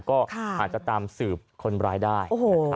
ก็อาจจะตามสืบคนร้ายได้